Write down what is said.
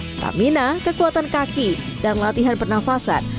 stamina kekuatan kaki dan latihan pernafasan